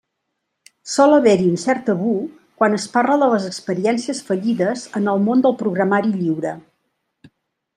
Sol haver-hi un cert tabú quan es parla de les experiències fallides en el món del programari lliure.